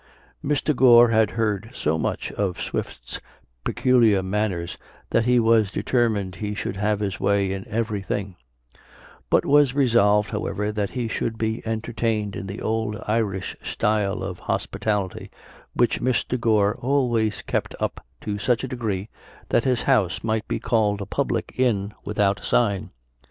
Mr. Gore had heard so much of Swift's peculiar manners that he was determined he should have his way in every thing; but was resolved, however, that he should be entertained in the old Irish style of hospitality, which Mr. Gore always kept up to such a degree, that his house might be called a public inn without sign.